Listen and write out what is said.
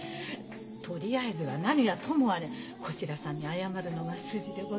とりあえずは何はともあれこちらさんに謝るのが筋でございますのに。